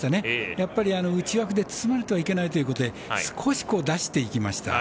やっぱり、内枠で詰まるといけないということで少し出していきました。